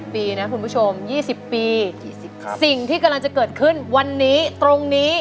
ปีนะคุณผู้ชม๒๐ปีสิ่งที่กำลังจะเกิดขึ้นวันนี้ตรงนี้